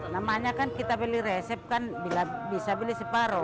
namanya kan kita beli resep kan bisa beli separoh